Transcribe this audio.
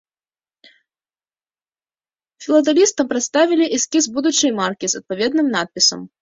Філатэлістам прадставілі эскіз будучай маркі з адпаведным надпісам.